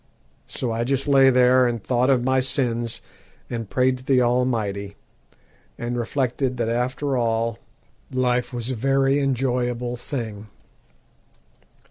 So I just lay there and thought of my sins, and prayed to the Almighty, and reflected that after all life was a very enjoyable thing.